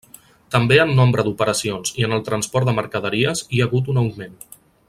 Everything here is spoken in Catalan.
També en nombre d'operacions i en el transport de mercaderies hi ha hagut un augment.